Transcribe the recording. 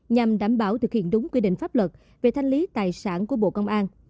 nhằm đảm bảo thực hiện đúng quy định pháp luật về thanh lý tài sản của bộ công an